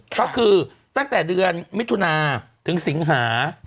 ก็คือตั้งแต่เดือนมิถุนาถึงสิงหา